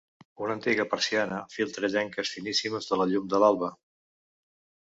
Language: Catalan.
Una antiga persiana filtra llenques finíssimes de la llum de l'alba.